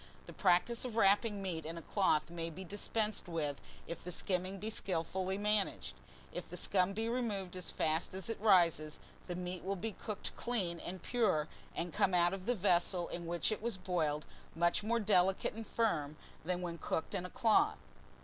The practice of wrapping meat in a cloth may be dispensed with if the skimming be skillfully managed. If the scum be removed as fast as it rises, the meat will be cooked clean and pure, and come out of the vessel in which it was boiled, much more delicate and firm than when cooked in a cloth.